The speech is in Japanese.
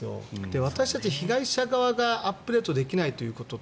私たち被害者側がアップデートできないというのと